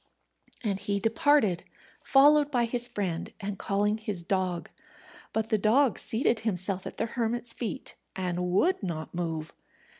And he departed, followed by his friend, and calling his dog. But the dog seated himself at the hermit's feet, and would not move.